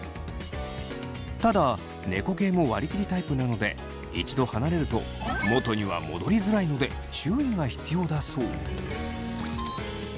ただ猫系も割り切りタイプなので一度離れると元には戻りづらいので注意が必要だそう。